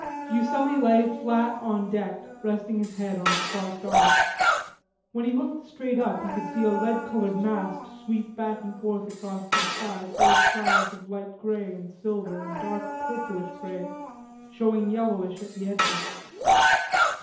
Fuselli lay flat on deck resting his head on his crossed arms. When he looked straight up he could see a lead colored mast sweep back and forth across the sky full of clouds of light grey and silver and dark purplish grey showing yellowish at the edges.